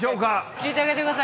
聞いてあげてください。